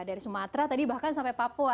dari sumatera tadi bahkan sampai papua